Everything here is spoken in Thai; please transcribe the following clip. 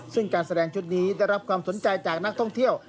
ซึ่งการแสดงชุดนี้ได้รับความสนใจจากนักท่องเที่ยว